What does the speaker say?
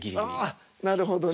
あなるほどね。